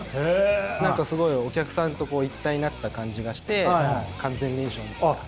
何かすごいお客さんと一体になった感じがして完全燃焼みたいな。